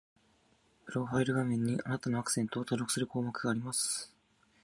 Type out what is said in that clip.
プロファイル画面に、あなたのアクセントを登録する項目があります